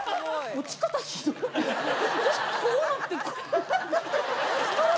私こうなって。